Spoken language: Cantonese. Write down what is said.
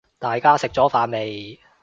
大家食咗飯未